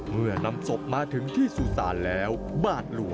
เมื่อฝังแล้วเขาก็จะนำไม้กางเขนมาปัก